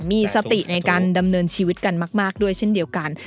มีสติในการดำเนินชีวิตกันมากด้วยเช่นเดียวกัน